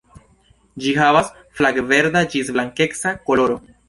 Ĝi havas flav-verda ĝis blankeca koloro.